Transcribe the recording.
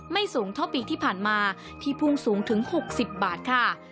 สูงเท่าปีที่ผ่านมาที่พุ่งสูงถึง๖๐บาทค่ะ